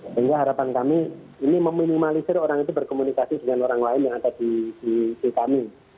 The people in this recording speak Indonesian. sehingga harapan kami ini meminimalisir orang itu berkomunikasi dengan orang lain yang ada di kami